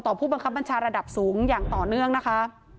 ผู้บังคับบัญชาระดับสูงอย่างต่อเนื่องนะคะ